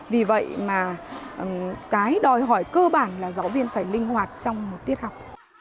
vì vậy mà cái đòi hỏi cơ bản là giáo viên phải linh hoạt trong một tiết học